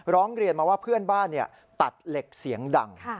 ร้องเรียนมาว่าเพื่อนบ้านตัดเหล็กเสียงดัง